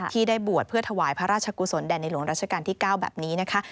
ที่ได้บวชเพื่อถวายพระราชกุศลแด่ในหลวงราชการที่๙แบบนี้นะคะ